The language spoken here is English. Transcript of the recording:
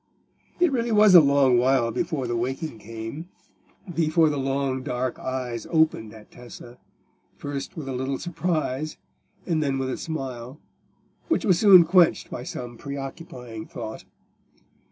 It really was a long while before the waking came—before the long dark eyes opened at Tessa, first with a little surprise, and then with a smile, which was soon quenched by some preoccupying thought.